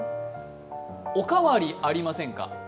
お代わりありませんか？